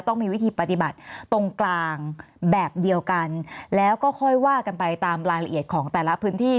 ต้องมีวิธีปฏิบัติตรงกลางแบบเดียวกันแล้วก็ค่อยว่ากันไปตามรายละเอียดของแต่ละพื้นที่